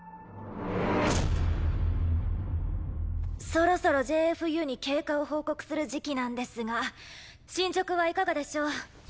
そろそろＪＦＵに経過を報告する時期なんですが進捗はいかがでしょう？